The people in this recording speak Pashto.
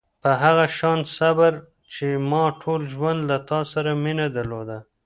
په هغه شان صبر چې ما ټول ژوند له تا سره مینه درلوده.